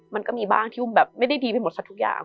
มันก็มีบ้างที่แบบไม่ได้ดีไปหมดสักทุกอย่าง